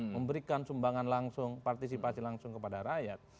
memberikan sumbangan langsung partisipasi langsung kepada rakyat